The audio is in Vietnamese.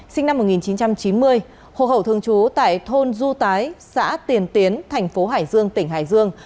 sinh năm một nghìn chín trăm chín mươi hộp hậu thương chú tại thôn du tái xã tiền tiến thành phố hải dương tỉnh hải dương